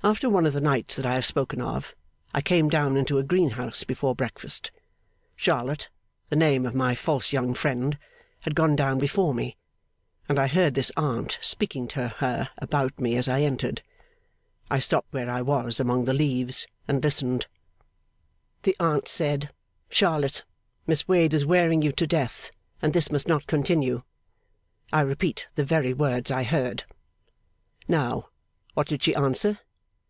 After one of the nights that I have spoken of, I came down into a greenhouse before breakfast. Charlotte (the name of my false young friend) had gone down before me, and I heard this aunt speaking to her about me as I entered. I stopped where I was, among the leaves, and listened. The aunt said, 'Charlotte, Miss Wade is wearing you to death, and this must not continue.' I repeat the very words I heard. Now, what did she answer?